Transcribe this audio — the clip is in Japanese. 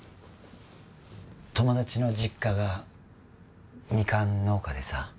友達の実家がみかん農家でさ